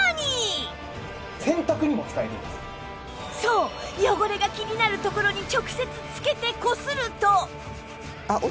そう汚れが気になるところに直接つけてこすると